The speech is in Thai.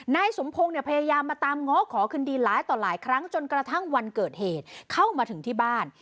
นายสมพงศ์เนี่ยพยายามมาตามง้อขอคืนดีหลายต่อหลายครั้งจนกระทั่งวันเกิดเหตุเข้ามาถึงที่บ้าน